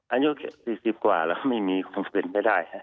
อันโนมัสปีสิบตรีกว่าแล้วไม่มีมาให้ได้